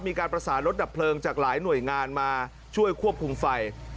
มีการประสานรถดับเพลิงจากหลายหน่วยงานมาช่วยควบคุมไฟ